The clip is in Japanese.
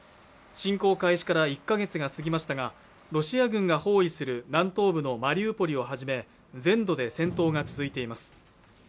侵攻開始から１か月が過ぎましたがロシア軍が包囲する南東部のマリウポリを始め全土で戦闘が続いています